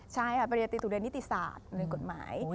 ใช่ค่ะปริญญาตรีตุเรียนนิติศาสตร์ในกฎหมาย